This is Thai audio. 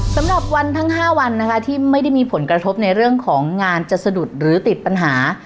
สำหรับวันทั้ง๕วันนะคะที่ไม่ได้มีผลกระทบในเรื่องของงานจะสะดุดหรือติดปัญหา